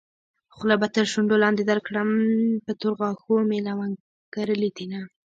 خوله به تر شونډو لاندې درکړم په تورو غاښو مې لونګ کرلي دينه